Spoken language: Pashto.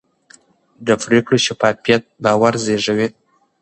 د پرېکړو شفافیت باور زېږوي